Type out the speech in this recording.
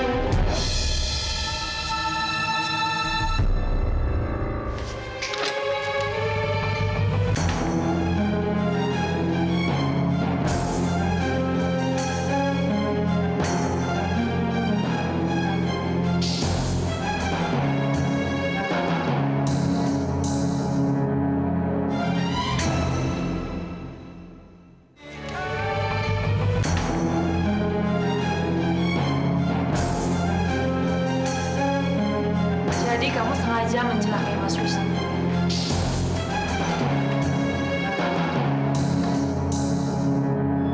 jadi kamu sengaja mencelakai mas wisnu